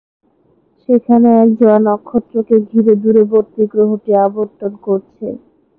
সেখানে এক জোড়া নক্ষত্রকে ঘিরে দূরবর্তী গ্রহটি আবর্তন করছে।